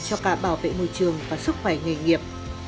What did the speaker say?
cho cả bảo vệ môi trường và sức khỏe nghề nghiệp